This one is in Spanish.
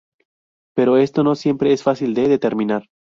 Pero esto no siempre es fácil de determinar.